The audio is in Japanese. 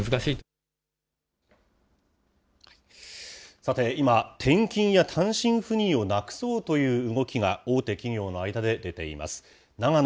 さて今、転勤や単身赴任をなくそうという動きが大手企業の間で出ています。